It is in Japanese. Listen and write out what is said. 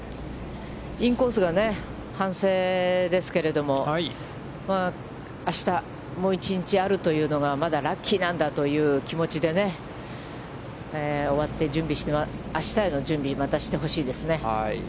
インコースが反省ですけれども、あした、もう１日あるというのが、まだラッキーなんだという気持ちで終わって準備して、あしたへの準備をまたしてほしいですね。